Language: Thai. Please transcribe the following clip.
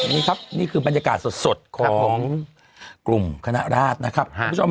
นี่ครับนี่คือบรรยากาศสดของกลุ่มคณะราชนะครับคุณผู้ชม